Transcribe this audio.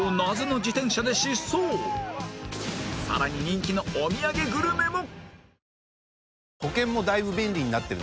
さらに人気のお土産グルメも！